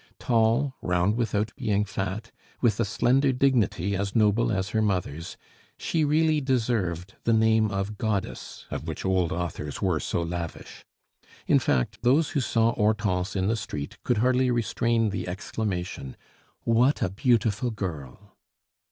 Tall, round without being fat, with a slender dignity as noble as her mother's, she really deserved the name of goddess, of which old authors were so lavish. In fact, those who saw Hortense in the street could hardly restrain the exclamation, "What a beautiful girl!"